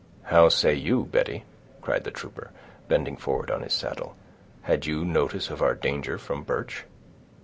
"How say you, Betty," cried the trooper, bending forward on his saddle, "had you notice of our danger from Birch?"